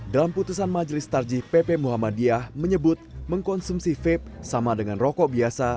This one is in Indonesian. dalam putusan majelis tarjih pp muhammadiyah menyebut mengkonsumsi vape sama dengan rokok biasa